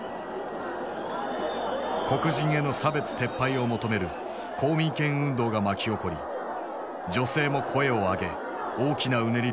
黒人への差別撤廃を求める公民権運動が巻き起こり女性も声を上げ大きなうねりとなった。